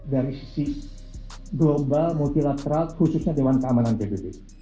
dari sisi global multilateral khususnya dewan keamanan pbb